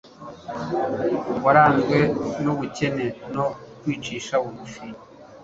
waranzwe n'ubukene no kwicisha bugufi